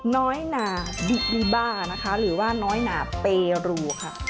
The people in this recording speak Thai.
น้อยหนาดิบิบ้านะคะหรือว่าน้อยหนาเปรูค่ะ